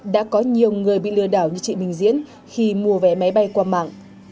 đã có nhiều người bị lừa đảo như chị bình diễn khi mua vé máy bay qua mạng